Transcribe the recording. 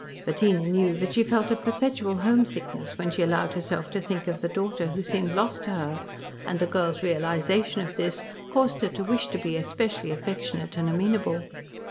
Bettina knew that she felt a perpetual homesickness when she allowed herself to think of the daughter who seemed lost to her, and the girl's realisation of this caused her to wish to be especially affectionate and amenable.